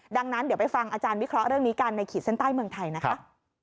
ดังนั้นเดี๋ยวไปฟังอาจารย์วิเคราะห์เรื่องนี้กันในขีดเส้นใต้เมืองไทยนะคะ